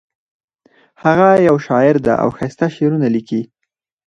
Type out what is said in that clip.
هغه یو شاعر ده او ښایسته شعرونه لیکي